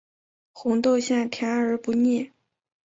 红豆馅甜而不腻